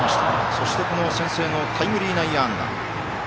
そして先制のタイムリー内野安打。